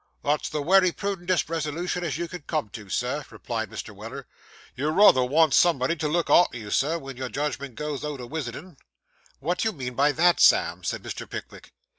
'That's the wery prudentest resolution as you could come to, Sir,' replied Mr. Weller. 'You rayther want somebody to look arter you, Sir, when your judgment goes out a wisitin'.' 'What do you mean by that, Sam?' said Mr. Pickwick.